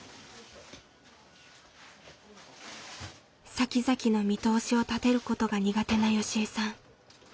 さきざきの見通しを立てることが苦手なよしえさん。